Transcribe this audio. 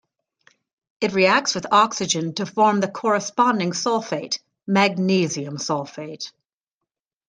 It reacts with oxygen to form the corresponding sulfate, magnesium sulfate.